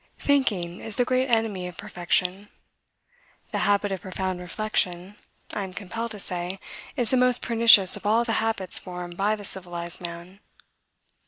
Thinking is the great enemy of perfection. The habit of profound reflection, I am compelled to say, is the most pernicious of all the habits formed by the civilized man.